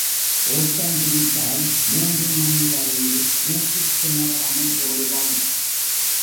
ஓட்டம் பிடித்தால் மூன்று மைல் வரையில் மூச்சுத் திணறாமல் ஓடுவான்.